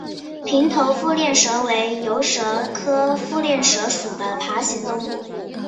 平头腹链蛇为游蛇科腹链蛇属的爬行动物。